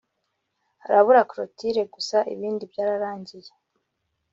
Harabura cloture gusa ibindi byararangiye